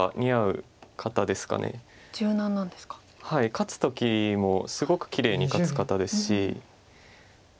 勝つ時もすごくきれいに勝つ方ですし。